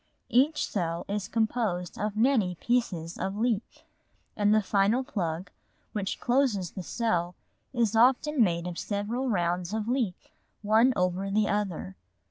Each cell is composed of many pieces of leaf, and the final plug which closes the cell is often made of several rounds of leaf one over the other.